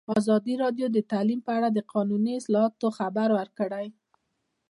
ازادي راډیو د تعلیم په اړه د قانوني اصلاحاتو خبر ورکړی.